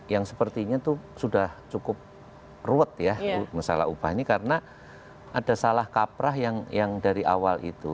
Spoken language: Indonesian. yang sepertinya itu sudah cukup ruwet ya masalah upah ini karena ada salah kaprah yang dari awal itu